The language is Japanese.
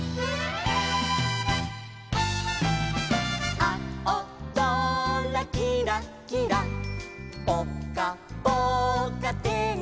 「あおぞらきらきらぽかぽかてんき」